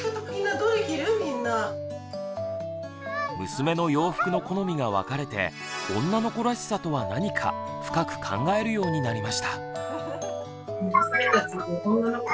娘の洋服の好みが分かれて「女の子らしさ」とは何か深く考えるようになりました。